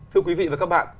thưa quý vị và các bạn